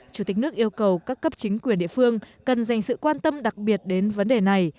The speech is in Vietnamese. chủ tịch nước yêu cầu các cấp chính quyền địa phương cần dành sự quan tâm đặc biệt đến vấn đề này